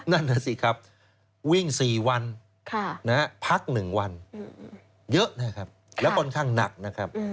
นั่นน่ะสิครับวิ่ง๔วันพัก๑วันเยอะนะครับแล้วค่อนข้างหนักนะครับ